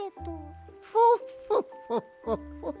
フォッフォッフォッフォッフォッ。